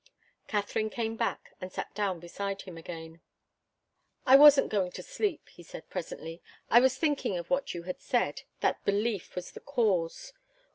Katharine came back and sat down beside him again. "I wasn't going to sleep," he said, presently. "I was thinking of what you had said, that belief was the cause.